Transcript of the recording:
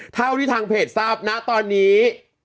เท่าที่ทางเพจทราบนะตอนนี้